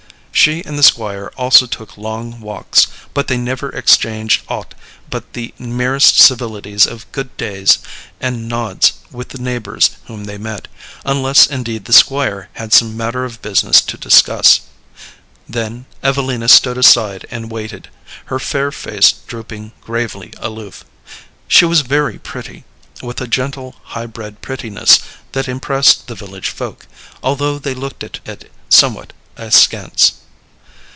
She and the Squire also took long walks, but they never exchanged aught but the merest civilities of good days and nods with the neighbors whom they met, unless indeed the Squire had some matter of business to discuss. Then Evelina stood aside and waited, her fair face drooping gravely aloof. She was very pretty, with a gentle high bred prettiness that impressed the village folk, although they looked at it somewhat askance.